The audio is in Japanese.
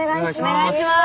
お願いします！